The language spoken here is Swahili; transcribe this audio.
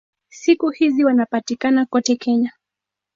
Siku hizi wanapatikana kote Kenya.